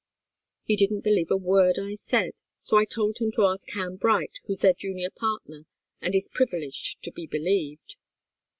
He didn't believe a word I said. So I told him to ask Ham Bright, who's their junior partner and is privileged to be believed.